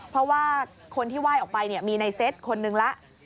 เพราะว่าคนที่ไหว้ออกไปมีในเซตคนนึงแล้ว